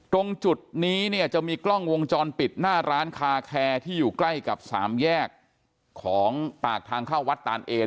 ตรงจุดนี้เนี่ยจะมีกล้องวงจรปิดหน้าร้านคาแคร์ที่อยู่ใกล้กับสามแยกของปากทางเข้าวัดตานเอน